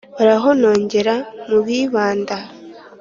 Barahonongera mu bibanda,